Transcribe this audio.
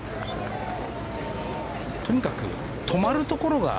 とにかく止まるところが。